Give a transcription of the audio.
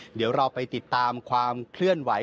เดี๋ยวเราไปติดตามความเคลื่อนไหว